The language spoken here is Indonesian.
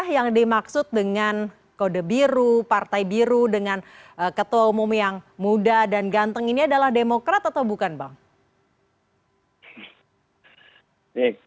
yang dimaksud dengan kode biru partai biru dengan ketua umum yang muda dan ganteng ini adalah demokrat atau bukan bang